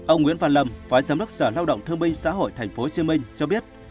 ông nguyễn văn lâm phó giám đốc sở lao động thương binh xã hội tp hcm cho biết